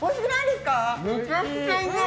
めちゃくちゃうまい！